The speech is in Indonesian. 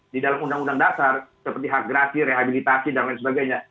di dalam undang undang dasar seperti hak grasi rehabilitasi dan lain sebagainya